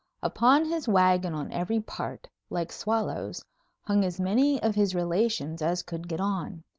Upon his wagon on every part, like swallows, hung as many of his relations as could get on.